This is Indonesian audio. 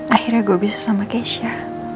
akhirnya gue bisa sama keisha